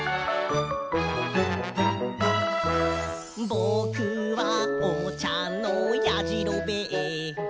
「ぼくはおもちゃのやじろべえ」